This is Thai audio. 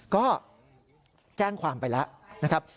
ก็แจ้งความไปแล้วนะครับ